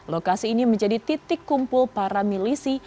lokasi ini menjadi titik kumpul para milisi